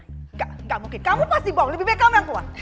gak gak mungkin kamu pasti bohong lebih baik kamu yang keluar